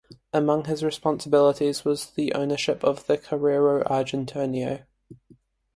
Among his responsibilities was the ownership of the Correo Argentino.